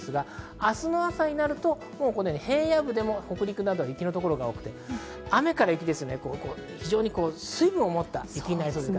明日の朝になると平野部でも北陸など雪の所が多くて、雨から雪ですので、水分をもった雪になりそうです。